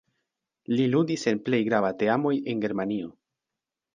Li ludis en plej grava teamoj en Germanio.